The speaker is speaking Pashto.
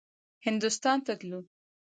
هندوستان ته تلو.